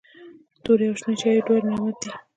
توري او شنې چايي دواړه نعمت دی.